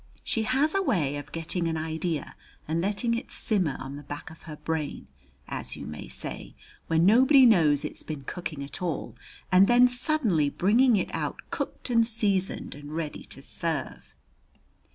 She has a way of getting an idea and letting it simmer on the back of her brain, as you may say, when nobody knows it's been cooking at all, and then suddenly bringing it out cooked and seasoned and ready to serve.